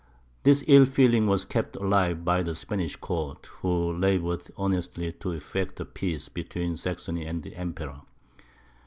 This ill feeling was kept alive by the Spanish court, who laboured earnestly to effect a peace between Saxony and the Emperor.